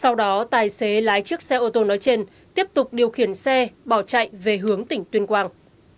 sau đó tài xế lái chiếc xe ô tô nói trên tiếp tục điều khiển xe bỏ chạy về hướng tỉnh tuyên quang